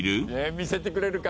見せてくれるか？